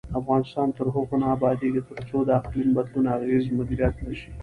افغانستان تر هغو نه ابادیږي، ترڅو د اقلیم بدلون اغیزې مدیریت نشي.